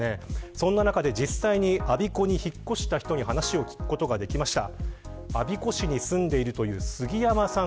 そんな中で、実際に我孫子に引っ越した人に話を聞くことができました。